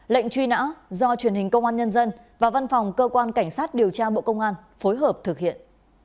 lệnh truy nã do truyền hình công an nhân dân và văn phòng cơ quan cảnh sát điều tra bộ công an phối hợp thực hiện